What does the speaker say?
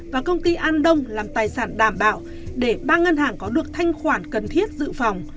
và công ty an đông làm tài sản đảm bảo để ba ngân hàng có được thanh khoản cần thiết dự phòng